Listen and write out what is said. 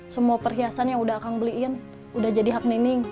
semua perhiasan yang udah akan beliin udah jadi hak nining